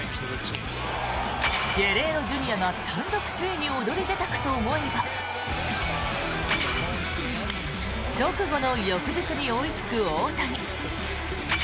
ゲレーロＪｒ．が単独首位に躍り出たかと思えば直後の翌日に追いつく大谷。